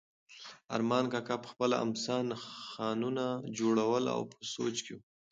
ارمان کاکا په خپله امسا نښانونه جوړول او په سوچ کې و.